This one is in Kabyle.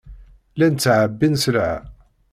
Llan ttɛebbin sselɛa.